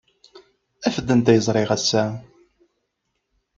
Af-d anta ay ẓriɣ ass-a.